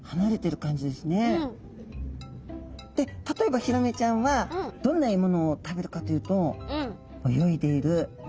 で例えばヒラメちゃんはどんな獲物を食べるかというと泳いでいるイカちゃん。